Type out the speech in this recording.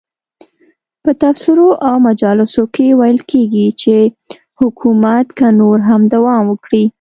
په تبصرو او مجالسو کې ویل کېږي چې حکومت که نور هم دوام وکړي.